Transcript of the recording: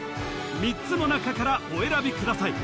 ３つの中からお選びください